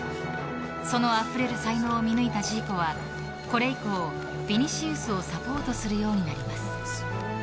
そのあふれる才能を見抜いたジーコはこれ以降ヴィニシウスをサポートするようになります。